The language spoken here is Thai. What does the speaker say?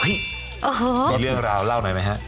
เฮ้ยเป็นเรื่องราวเล่าหน่อยไหมครับ